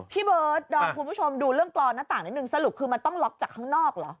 พี่เบิร์ดดอมคุณผู้ชมดูเรื่องกรอนหน้าต่างนิดนึงสรุปคือมันต้องล็อกจากข้างนอกเหรอ